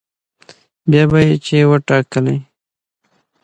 بيا به يې چې وټاکلې